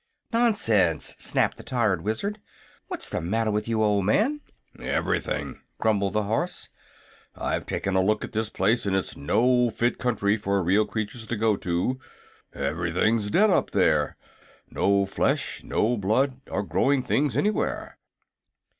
"Nonsense!" snapped the tired Wizard. "What's the matter with you, old man?" "Everything," grumbled the horse. "I've taken a look at this place, and it's no fit country for real creatures to go to. Everything's dead, up there no flesh or blood or growing thing anywhere."